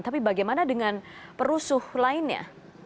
tapi bagaimana dengan perusuh lainnya